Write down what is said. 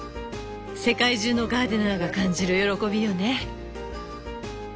世界中のガーデナーが感じる喜びよね。